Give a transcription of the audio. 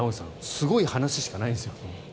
すごい話しかないですよ。